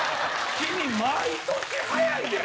君、毎年、早いねん！